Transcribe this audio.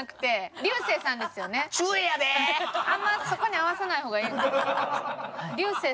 あんまそこに合わせない方がええ。